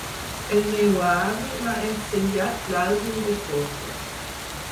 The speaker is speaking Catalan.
El meu avi m'ha ensenyat l'àlbum de fotos.